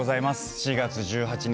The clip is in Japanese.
４月１８日